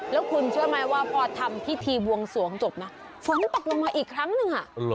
แล้วคุณเชื่อไหมว่าพอทำพิธีบวงสวงจบนะฝนตกลงมาอีกครั้งหนึ่ง